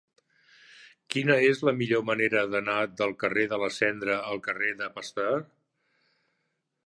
Quina és la millor manera d'anar del carrer de la Cendra al carrer de Pasteur?